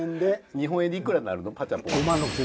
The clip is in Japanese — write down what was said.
日本円でいくらになるの？